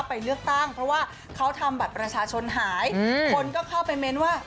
ไปเลือกตั้งเพราะว่าเขาทำบัตรประชาชนหายคนก็เข้าไปเม้นว่า